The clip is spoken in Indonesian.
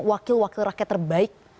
wakil wakil rakyat terbaik